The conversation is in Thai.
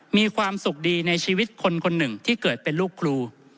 มีความสุขดีในชีวิตคนคนหนึ่งที่เกิดเป็นลูกครู